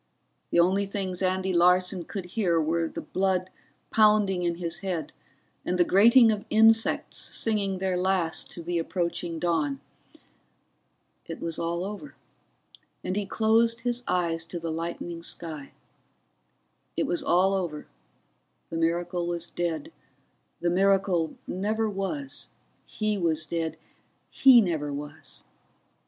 The only things Andy Larson could hear were the blood pounding in his head and the grating of insects singing their last to the approaching dawn. It was all over, and he closed his eyes to the lightening sky. It was all over, the miracle was dead, the miracle never was, he was dead, he never was.